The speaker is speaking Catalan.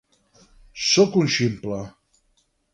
Soc un ximple.